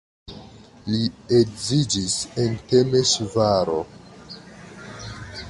Li edziĝis en Temeŝvaro.